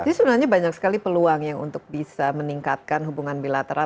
jadi sebenarnya banyak sekali peluang yang untuk bisa meningkatkan hubungan bilateral